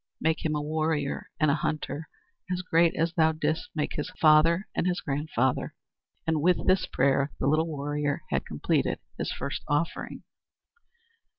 Make him a warrior and a hunter as great as thou didst make his father and grandfather." And with this prayer the little warrior had completed his first offering.